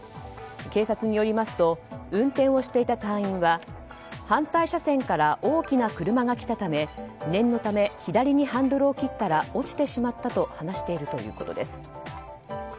警察によりますと運転をしていた隊員は反対車線から大きな車が来たため念のため左にハンドルを切ったら落ちてしまったと話しているということです。